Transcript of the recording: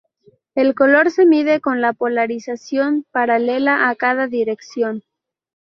El color se mide con la polarización paralela a cada dirección.